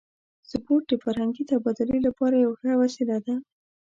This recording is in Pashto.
سپورت د فرهنګي تبادلې لپاره یوه ښه وسیله ده.